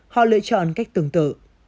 họ lựa chọn cách tương tự